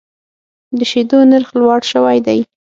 د شیدو نرخ لوړ شوی دی.